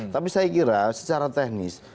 tapi saya kira secara teknis